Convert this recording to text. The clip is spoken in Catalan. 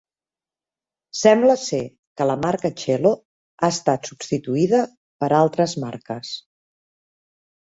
Sembla ser que la marca chello ha estat substituïda per altres marques.